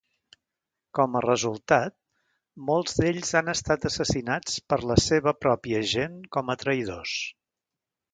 Com a resultat, molts d'ells han estat assassinats per la seva pròpia gent com a traïdors.